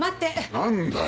何だよ。